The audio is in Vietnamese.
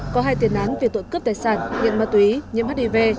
có hai tiền án về tội cướp tài sản nhiễm ma túy nhiễm hdv